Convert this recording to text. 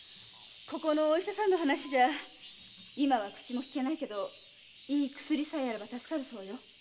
お医者さんの話では今は口も利けないけどいい薬さえあれば助かるそうよ。